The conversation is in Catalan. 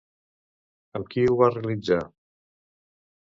Amb qui ho va realitzar?